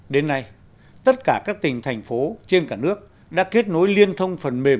đến nay tất cả các tỉnh thành phố trên cả nước đã kết nối liên thông phần mềm